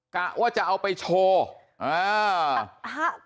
กะว่าจะเอาไปโชว์